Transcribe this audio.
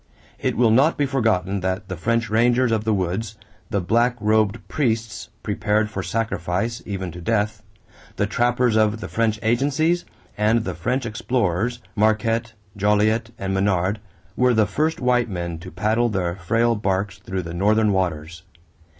It will not be forgotten that the French rangers of the woods, the black robed priests, prepared for sacrifice, even to death, the trappers of the French agencies, and the French explorers Marquette, Joliet, and Menard were the first white men to paddle their frail barks through the northern waters.